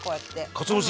かつお節。